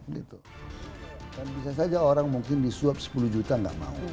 bisa saja orang mungkin disuap sepuluh juta tidak mau